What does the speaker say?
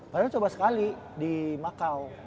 padahal coba sekali di makau